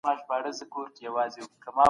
که زده کړه عملي سي دا تعليم ژوروي.